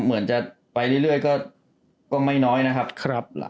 เหมือนจะไปเรื่อยก็ไม่น้อยนะครับ